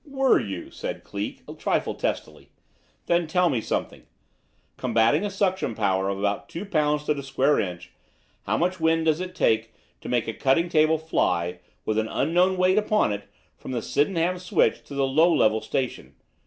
"Were you?" said Cleek, a trifle testily. "Then tell me something. Combating a suction power of about two pounds to the square inch, how much wind does it take to make a cutting table fly, with an unknown weight upon it, from the Sydenham switch to the Low Level station?